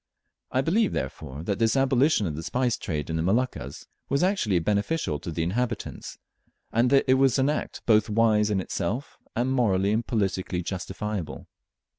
I believe, therefore, that this abolition of the spice trade in the Moluccas was actually beneficial to the inhabitants, and that it was an act both wise in itself and morally and politically justifiable.